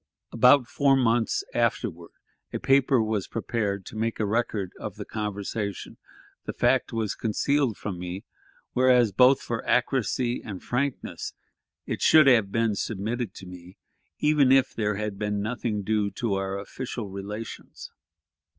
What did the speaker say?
About four months afterward a paper was prepared to make a record of the conversation; the fact was concealed from me, whereas, both for accuracy and frankness, it should have been submitted to me, even if there had been nothing due to our official relations.